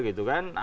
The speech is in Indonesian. ya advokat juga